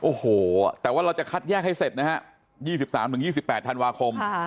โอ้โหแต่ว่าเราจะคัดแยกให้เสร็จนะฮะ๒๓๒๘ธันวาคม